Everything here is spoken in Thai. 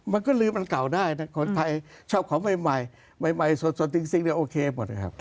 มันก็ลืมมันเก่าได้นะคนไทยชอบของใหม่สดสิ่งโอเคหมดครับ